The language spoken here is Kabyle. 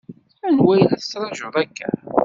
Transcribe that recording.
Anwa i la tettṛaǧuḍ akka?